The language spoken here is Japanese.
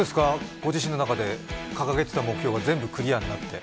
ご自身の中で掲げてた目標、全部クリアになって。